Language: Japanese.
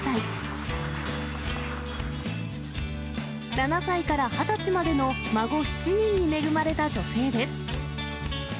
７歳から２０歳までの孫７人に恵まれた女性です。